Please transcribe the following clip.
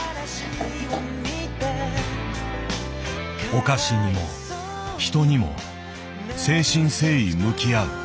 お菓子にも人にも誠心誠意向き合う。